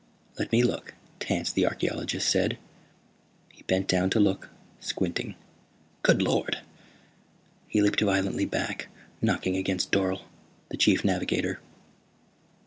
"Let me look," Tance the archeologist said. He bent down to look, squinting. "Good Lord!" He leaped violently back, knocking against Dorle, the Chief Navigator.